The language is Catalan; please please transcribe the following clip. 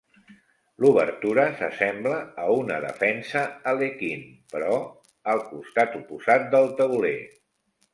L'obertura s'assembla a una defensa Alekhine però al costat oposat del tauler.